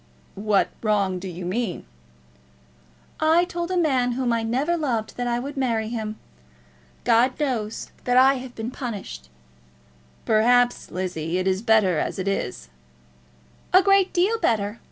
"What wrong do you mean?" "I told a man whom I never loved that I would marry him. God knows that I have been punished." "Perhaps, Lizzie, it is better as it is." "A great deal better.